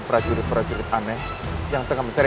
prajurit prajurit aneh yang tengah mencari